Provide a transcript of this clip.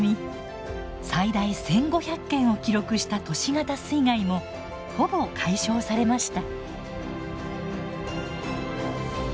最大１，５００件を記録した都市型水害もほぼ解消されました。